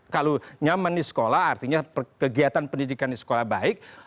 kalau nyaman di sekolah artinya kegiatan pendidikan di sekolah baik